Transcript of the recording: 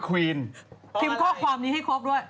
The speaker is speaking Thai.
ครีมข้อความนี้ให้ครบด้วย